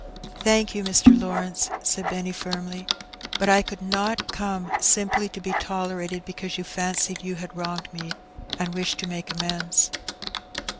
*'" Thank you, Mr. Lawrence,*' said Benny firmly ;'^ but I could not come simply to be tolerated because you fancied you had wronged me, and wished to make amends.